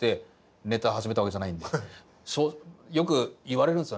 よく言われるんですよね